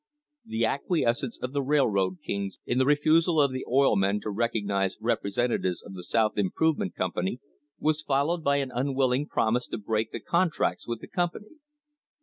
The acquiescence of the "railroad kings" in the refusal of the oil men to recognise representatives of the South Improve ment Company was followed by an unwilling promise to break the contracts with the company.